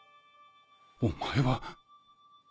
お前は。